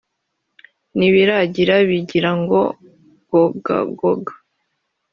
N'ibiragi bigira ngo gogagoga